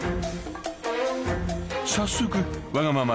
［早速わがまま